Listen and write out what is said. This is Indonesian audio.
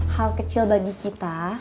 hal kecil bagi kita